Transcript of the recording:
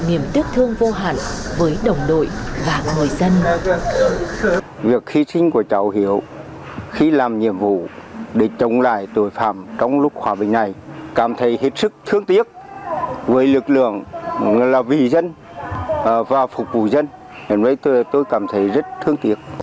niềm tiếc thương vô hẳn với đồng đội và người dân